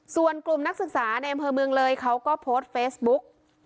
ส่วนกลุ่มนักศึกษาในอำเภอเมืองเลยเขาก็โพสต์เฟซบุ๊ก